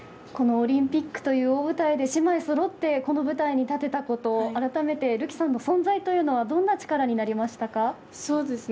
このオリンピックという大舞台で、姉妹そろってこの舞台に立てたことあらためてるきさんの存在というのはどんな力になりましたか。